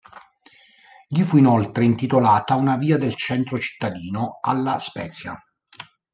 Gli fu inoltre intitolata una via del centro cittadino alla Spezia.